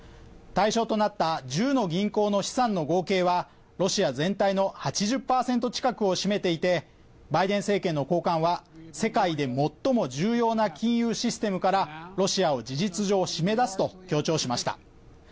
対象となった１０の銀行の資産の合計はロシア全体の８０％近くを占めていてバイデン政権の高官は、世界で最も重要な金融システムからロシアを事実上、締め出すと強調しました。